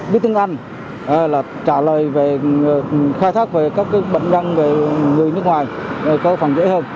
biết tương anh là trả lời về khai thác về các cái bệnh nhân về người nước ngoài có phần dễ hơn